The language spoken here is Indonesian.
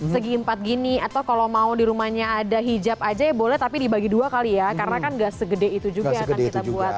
segi empat gini atau kalau mau di rumahnya ada hijab aja ya boleh tapi dibagi dua kali ya karena kan gak segede itu juga yang akan kita buat